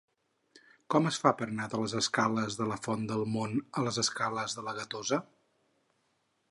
Com es fa per anar de les escales de la Font del Mont a les escales de la Gatosa?